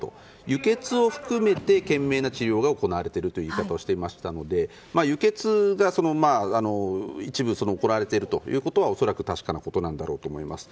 輸血を含めて懸命な治療が行われているという言い方をしていましたので輸血が一部、行われているのは恐らく確かなことなんだろうと思います。